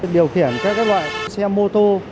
điều khiển các loại xe mô tô